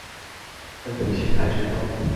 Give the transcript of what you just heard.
政府遷台之後